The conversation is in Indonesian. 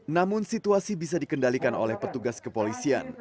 namun situasi bisa dikendalikan oleh petugas kepolisian